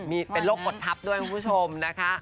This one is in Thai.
มีเป็นโรคกดทับด้วยคุณผู้ชมนะคะ